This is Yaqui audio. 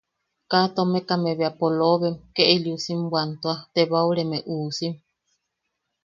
Kaa tomekame bea polobem ke ili usim bwantua tebaureme usim.